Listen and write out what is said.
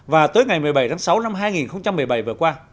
và tới ngày một mươi bảy tháng sáu năm hai nghìn một mươi bảy vừa qua